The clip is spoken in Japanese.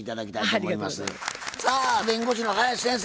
さあ弁護士の林先生